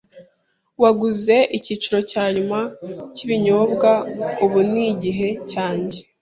Waguze icyiciro cya nyuma cyibinyobwa, Ubu ni igihe cyanjye.